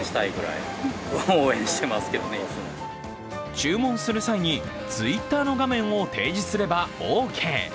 注文する際にＴｗｉｔｔｅｒの画面を提示すればオーケー。